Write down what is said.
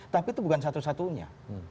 tapi itu bukan satu satunya